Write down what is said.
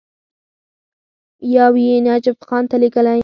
یو یې نجف خان ته لېږلی.